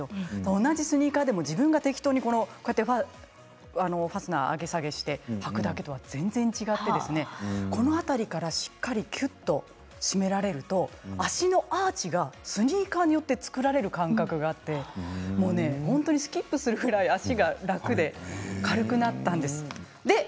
同じスニーカーでも自分が適当にファスナー上げ下げして履くだけとは全然違ってしっかりと甲の辺りが締められると足のアーチがスニーカーによって作られる感覚があって本当にスキップするくらい足が楽で軽くなったんです。